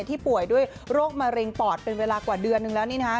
ป่วยด้วยโรคมะเร็งปอดเป็นเวลากว่าเดือนนึงแล้ว